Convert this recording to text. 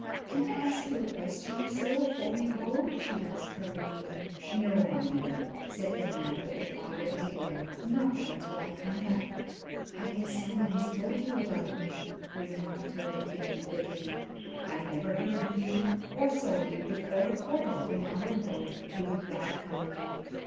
"Can I ask you a question or so afore you go?" she asked, hurriedly. "No, my dear," said the man, with a fatherly air. "Not until I come back." "I guess some one's told you about me," remarked 'Tilda Jane, bitterly. "I never heard of you, or saw you before a quarter of an hour ago," he replied, kindly.